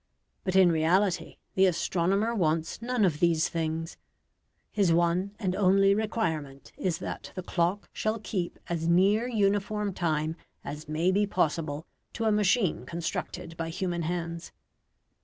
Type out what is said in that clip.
But in reality the astronomer wants none of these things. His one and only requirement is that the clock shall keep as near uniform time as may be possible to a machine constructed by human hands.